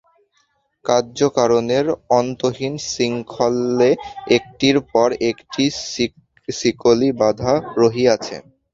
কার্যকারণের অন্তহীন শৃঙ্খলে একটির পর একটি শিকলি বাঁধা রহিয়াছে।